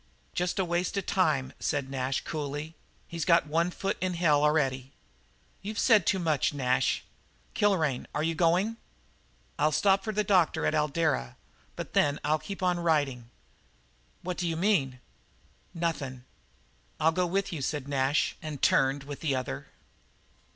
"Jest a waste of time," said Nash coolly. "He's got one foot in hell already." "You've said too much, Nash. Kilrain, are you going?" "I'll stop for the doctor at Eldara, but then I'll keep on riding." "What do you mean?" "Nothin'." "I'll go with you," said Nash, and turned with the other.